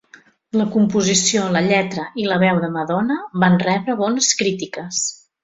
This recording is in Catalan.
La composició, la lletra i la veu de Madonna van rebre bones crítiques.